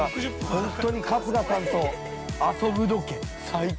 本当に春日さんと遊ぶロケ、最高。